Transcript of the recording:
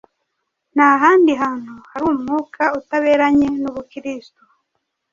Nta handi hantu hari umwuka utaberanye n’Ubukristo